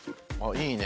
いいね！